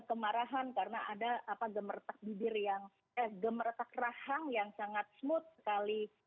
kemudian juga ada kemarahan karena ada gemertak rahang yang sangat smooth sekali